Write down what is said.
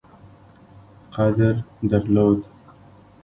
قدر درلود.